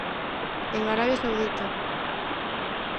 En Arabia Saudita.